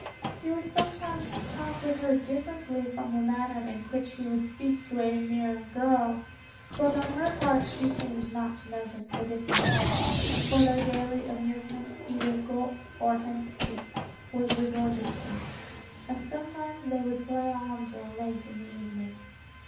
He would sometimes talk with her differently from the manner in which he would speak to a mere girl; but on her part she seemed not to notice the difference, and for their daily amusement either Go or Hentski was resorted to, and sometimes they would play on till late in the evening.